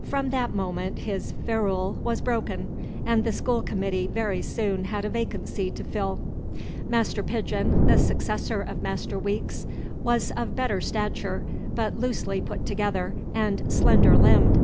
From that moment his ferule was broken, and the school committee very soon had a vacancy to fill. Master Pigeon, the successor of Master Weeks, was of better stature, but loosely put together, and slender limbed.